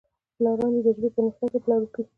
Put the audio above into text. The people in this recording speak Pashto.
پلاران دې د ژبې پرمختګ ته پام وکړي.